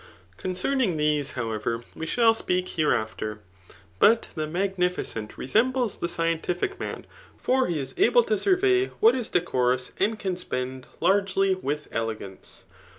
Concerning these, however, we shall speak hereafter. But the magnificent resembles the scientific man ; for he is able to survey what is decorous, and can ^nd largely with elegance.